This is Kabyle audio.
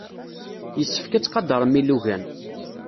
Yessefk ad tqadrem ilugan.